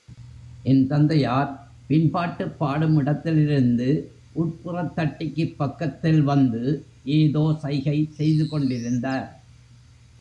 என் தந்தையார் பின்பாட்டுப் பாடும் இடத்திலிருந்து உட்புறத் தட்டிக்குப் பக்கத்தில் வந்து, ஏதோ சைகை செய்து கொண்டிருந்தார்.